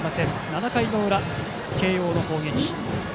７回の裏、慶応の攻撃。